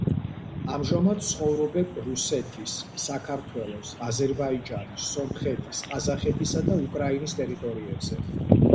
ამჟამად ცხოვრობენ რუსეთის, საქართველოს, აზერბაიჯანის, სომხეთის, ყაზახეთისა და უკრაინის ტერიტორიებზე.